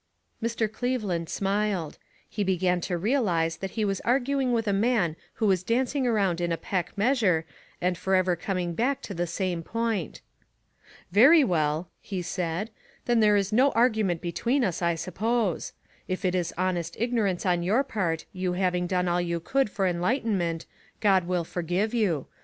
Mr. Cleveland smiled ; he began to real ize that he was arguing with a man who was dancing around in a peck measure, and forever coming back to the same point. " Very well," he said, " then there is no argument between us, I suppose. If it is honest ignorance on your part, you having done all you could for enlightenment, God will forgive you.